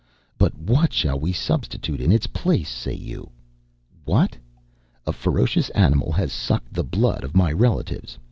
But what shall we substitute in its place? say you. What? A ferocious animal has sucked the blood of my relatives.